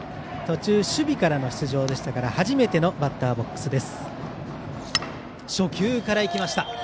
途中、守備からの出場でしたが初めてのバッターボックス。